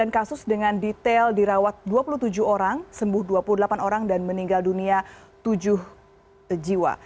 sembilan kasus dengan detail dirawat dua puluh tujuh orang sembuh dua puluh delapan orang dan meninggal dunia tujuh jiwa